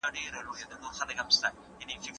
شاه صفي په خپل ژوند کې ډېر شهزاده ګان ووژل.